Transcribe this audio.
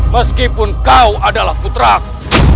meskipun kau adalah putraku